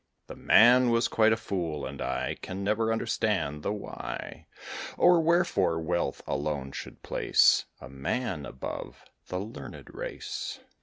The man was quite a fool, and I Can never understand the why Or wherefore wealth alone should place A man above the learned race.